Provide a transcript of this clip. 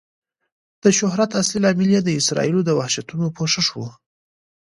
د شهرت اصلي لامل یې د اسرائیلو د وحشتونو پوښښ و.